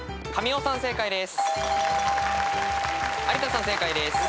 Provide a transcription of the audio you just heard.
屋敷さん正解です。